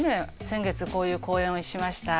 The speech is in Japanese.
先月こういう公演をしました